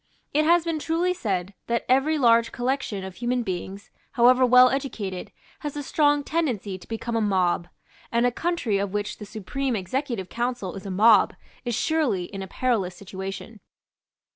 It has been truly said that every large collection of human beings, however well educated, has a strong tendency to become a mob; and a country of which the Supreme Executive Council is a mob is surely in a perilous situation.